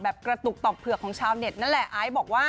กระตุกต่อเผือกของชาวเน็ตนั่นแหละไอซ์บอกว่า